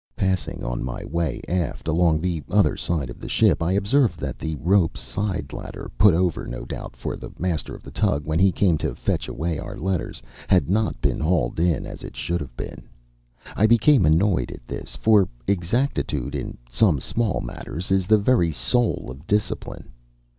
Passing on my way aft along the other side of the ship, I observed that the rope side ladder, put over, no doubt, for the master of the tug when he came to fetch away our letters, had not been hauled in as it should have been. I became annoyed at this, for exactitude in some small matters is the very soul of discipline.